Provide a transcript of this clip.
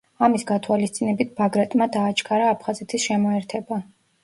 ამის გათვალისწინებით ბაგრატმა დააჩქარა აფხაზეთის შემოერთება.